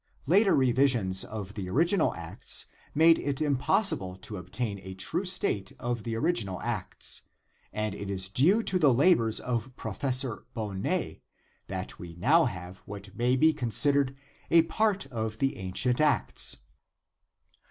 Later re visions of the original Acts made it impossible to obtain a true state of the original Acts, and it is due to the labors of Prof. Bonnet, that we now have what may be considered a part of the ancient Acts.